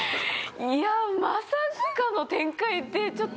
いやまさかの展開でちょっと。